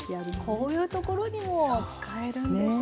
こういうところにも使えるんですね。